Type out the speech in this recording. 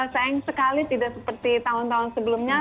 sayang sekali tidak seperti tahun tahun sebelumnya